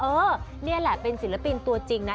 นี่แหละเป็นศิลปินตัวจริงนะ